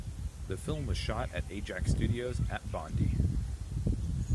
The film was shot at Ajax Studios at Bondi.